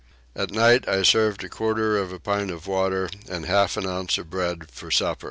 At night I served a quarter of a pint of water and half an ounce of bread for supper.